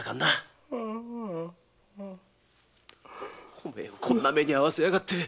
おめえをこんな目に遭わせやがって。